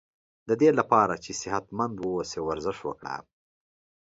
ددی لپاره چی صحت مند و اوسی ورزش وکړه